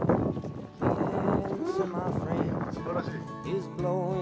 すばらしい！